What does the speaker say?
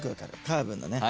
カーブのね。